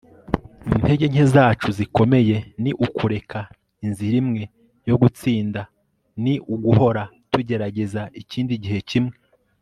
intege nke zacu zikomeye ni ukureka. inzira imwe yo gutsinda ni uguhora tugerageza ikindi gihe kimwe